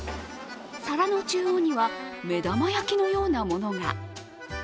皿の中央には目玉焼きのようなものが。